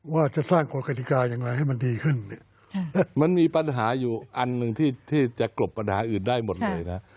ว่าจะสร้างกฎกฎิกาอย่างไรให้มันดีขึ้นเนี่ยมันมีปัญหาอยู่อันหนึ่งที่จะกลบปัญหาอื่นได้หมดเลยนะ